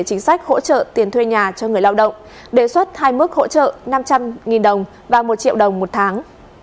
chính sách hỗ trợ tiền thuê nhà cho người lao động đề xuất hai mức hỗ trợ năm trăm linh đồng và một triệu đồng một tháng